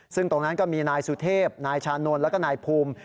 ซึ่งตรงนั้นก็มีนายสุเทพนายชานนท์แล้วก็นายภูมิ